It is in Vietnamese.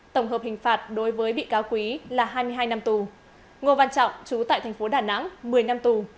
tổng hợp hình phạt đối với bị cáo quý là hai mươi hai năm tù ngô văn trọng trú tại thành phố đà nẵng một mươi năm tù